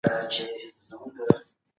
د طبیعي پیښو پر مهال یو بل سره مرسته وکړئ.